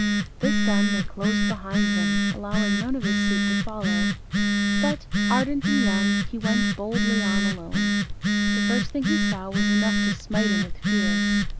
This done, they closed behind him, allowing none of his suite to follow: but, ardent and young, he went boldly on alone. The first thing he saw was enough to smite him with fear.